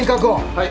・はい！